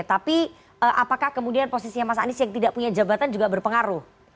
tapi apakah kemudian posisinya mas anies yang tidak punya jabatan juga berpengaruh